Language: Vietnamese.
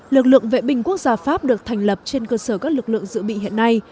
lực lượng vệ binh quốc gia pháp được thành lập trên cơ sở các lực lượng dự bị hiện nay